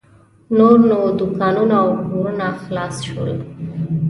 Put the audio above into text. نور نو دوکانونه او کورونه خلاص شول.